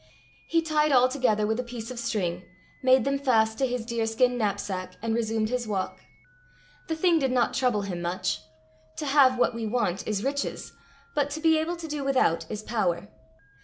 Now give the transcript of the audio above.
He tied all together with a piece of string, made them fast to his deerskin knapsack, and resumed his walk. The thing did not trouble him much. To have what we want is riches, but to be able to do without is power.